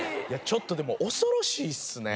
ちょっとでも恐ろしいっすね。